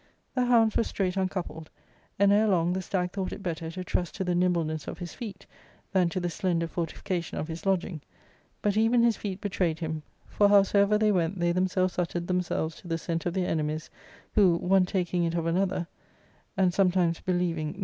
The hounds were straight uncoupled ; and ere long the stag thought it better to trust to the nimbleness of his feet than to the slender fortification of his lodging ; but even his feet betrayed him ; for howsoever they went they themselves uttered themselves to the scent of their enemies ; who, one taking it of another, and sometimes believing the ^^^ E so ARCADIAr Book I.